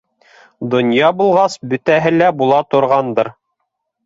Донъя булғас, бөтәһе лә була торғандыр.